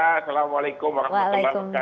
assalamualaikum warahmatullahi wabarakatuh pak habib